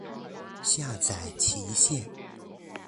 下载期限